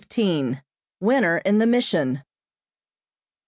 WINTER IN THE MISSION.